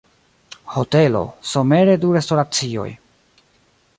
Hotelo, Somere du restoracioj.